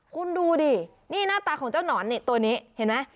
คุณดูดินี่หน้าตาของเจ้าหนอนนี่ตัวนี้เห็นไหม